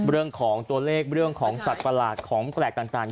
เรื่องของตัวเลขเรื่องของสัตว์ประหลาดของแปลกต่าง